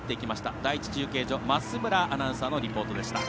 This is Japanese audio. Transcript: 第１中継所増村アナウンサーのリポート。